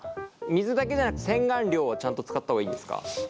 水だけじゃなく洗顔料はちゃんと使った方がいいんですか？